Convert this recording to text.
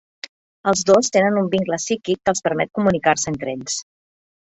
Els dos tenen un vincle psíquic que els permet comunicar-se entre ells.